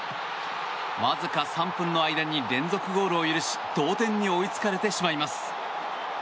わずか３分の間に連続ゴールを許し同点に追いつかれてしまいます。